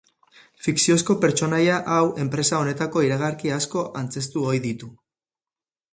Fikziozko pertsonaia hau enpresa honetako iragarki asko antzeztu ohi ditu.